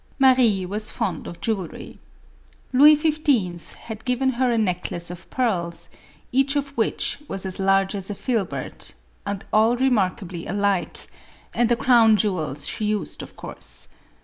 Marie was fond of jewelry. Louis XV. had given her a necklace of pearls, each of which was as large as a filbert, and all remarkably alike ; and the crowr^jew els she used of course.